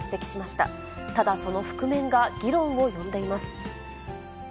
ただその覆面が議論を呼んでいます。